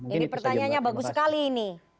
jadi pertanyaannya bagus sekali ini